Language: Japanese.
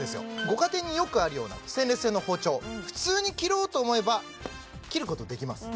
ご家庭によくあるようなステンレス製の包丁普通に切ろうと思えば切ることできます